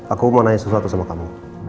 aku mau nanya sesuatu sama kamu